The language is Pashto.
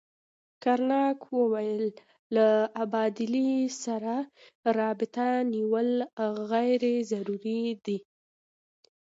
کرناک ویل له ابدالي سره ارتباط نیول غیر ضروري دي.